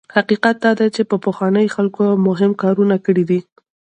حقیقت دا دی چې پخوانیو خلکو مهم کارونه کړي دي.